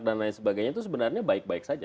dan lain sebagainya itu sebenarnya baik baik saja